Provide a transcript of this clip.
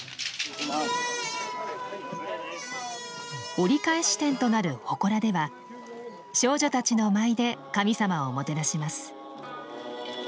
折り返し点となるほこらでは少女たちの舞で神様をもてなします。